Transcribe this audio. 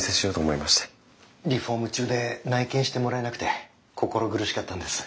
リフォーム中で内見してもらえなくて心苦しかったんです。